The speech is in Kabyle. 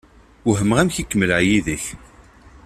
Wehmeɣ amek i kemmleɣ yid-k.